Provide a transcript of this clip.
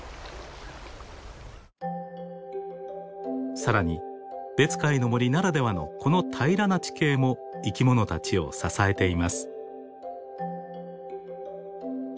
更に別海の森ならではのこの平らな地形も生き物たちを支えています。